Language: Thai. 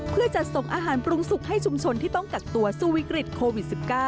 เพื่อจัดส่งอาหารปรุงสุกให้ชุมชนที่ต้องกักตัวสู้วิกฤตโควิด๑๙